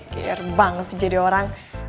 cair banget sih jadi orang